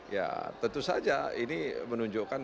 ya tentu saja ini menunjukkan